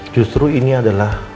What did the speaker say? justru ini adalah